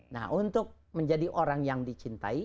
nah untuk menjadi orang yang dicintai